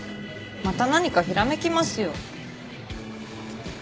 また何かひらめきますよ。